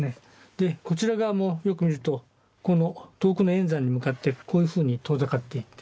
でこちら側もよく見るとこの遠くの遠山に向かってこういうふうに遠ざかっていってる。